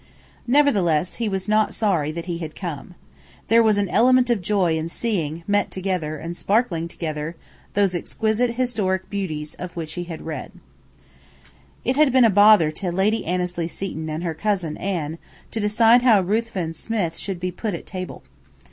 Nevertheless, he was not sorry that he had come. There was an element of joy in seeing, met together, and sparkling together, those exquisite, historic beauties of which he had read. It had been a bother to Lady Annesley Seton and her cousin Anne to decide how Ruthven Smith should be put at table.